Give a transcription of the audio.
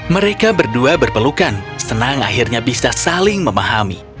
mereka berdua berpelukan senang akhirnya bisa saling memahami